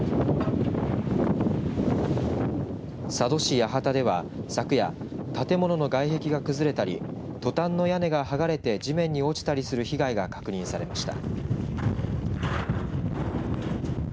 佐渡市八幡では昨夜、建物の外壁が崩れたりトタンの屋根がはがれて地面に落ちたりする被害が確認されました。